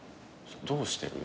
どうしてる？